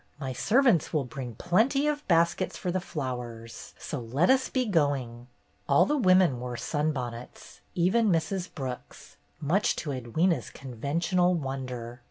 My servants will bring plenty of baskets for the flowers. So let us be going." All the women wore sunbonnets, even Mrs. Brooks, much to Edwyna's conventional won der.